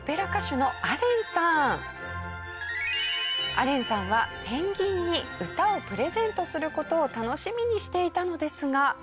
アレンさんはペンギンに歌をプレゼントする事を楽しみにしていたのですが。